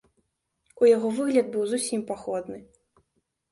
У яго выгляд быў зусім паходны.